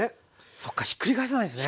そっかひっくり返さないですね。